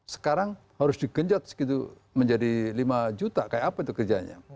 sekarang harus digenjot segitu menjadi lima juta kayak apa itu kerjanya